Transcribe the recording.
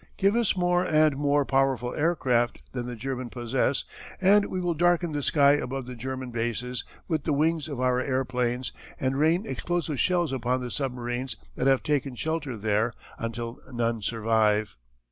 Give us more and more powerful aircraft than the Germans possess and we will darken the sky above the German bases with the wings of our airplanes, and rain explosive shells upon the submarines that have taken shelter there until none survive.